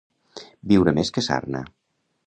Viure més que Sarna.